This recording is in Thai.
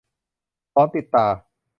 หลอนติดตา